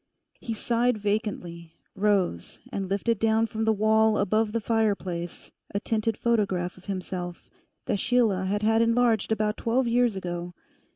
He sighed vacantly, rose and lifted down from the wall above the fireplace a tinted photograph of himself that Sheila had had enlarged about twelve years ago.